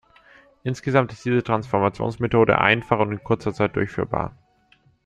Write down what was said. Insgesamt ist diese Transformations-Methode einfach und in kurzer Zeit durchführbar.